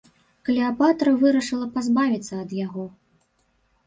Клеапатра вырашыла пазбавіцца ад яго.